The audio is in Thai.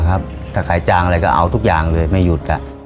ถ้าขายจางอะไรก็เอาทุกอย่างเลยไม่หยุด